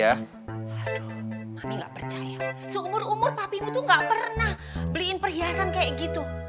aduh mami gak percaya seumur umur papimu tuh gak pernah beliin perhiasan kayak gitu